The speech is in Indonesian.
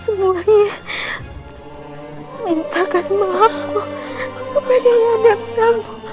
semuanya minta maaf kepada yang ada